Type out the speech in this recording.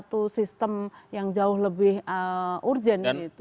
untuk satu sistem yang jauh lebih urgent gitu